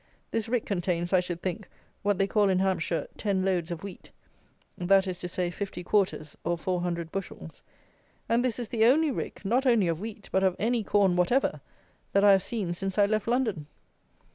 This rick contains, I should think, what they call in Hampshire ten loads of wheat, that is to say, fifty quarters, or four hundred bushels. And this is the only rick, not only of wheat, but of any corn whatever, that I have seen since I left London.